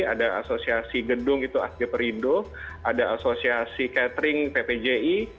ada asosiasi gedung itu asgaperindo ada asosiasi catering ppji